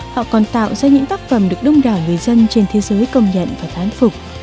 họ còn tạo ra những tác phẩm được đông đảo người dân trên thế giới công nhận và thán phục